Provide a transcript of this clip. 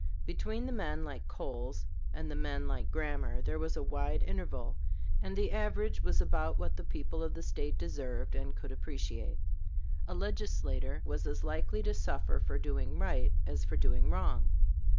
Between the men like Coles and the men like Grammar there was a wide interval, and the average was about what the people of the State deserved and could appreciate. A legislator was as likely to suffer for doing right as for doing wrong.